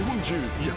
いや。